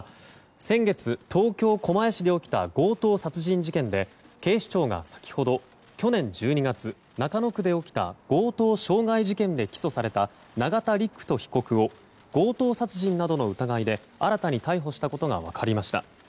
先月東京・狛江市で起きた強盗殺人事件で警視庁が先ほど去年１２月中野区で起きた強盗傷害事件で起訴された永田陸人被告を強盗殺人の疑いで新たに逮捕したことが分かりました。